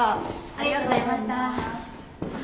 ありがとうございます。